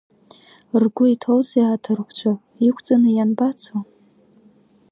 Ргәы иҭоузеи аҭырқәцәа, иқәҵны ианбацо?